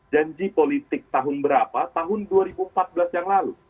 janji politik tahun berapa tahun dua ribu empat belas yang lalu